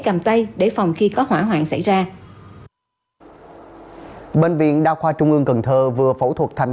cầm tay để phòng khi có hỏa hoạn xảy ra bệnh viện đa khoa trung ương cần thơ vừa phẫu thuật thành